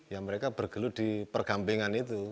ya mereka bergelut di pergampingan itu